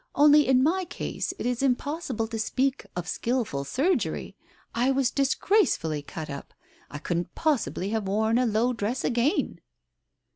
Only in my case it is impos sible to speak of skilful surgery ! I was disgracefully cut up. I couldn't possibly have worn a low dress again